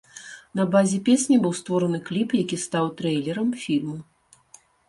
На базе песні быў створаны кліп, які стаў трэйлерам фільму.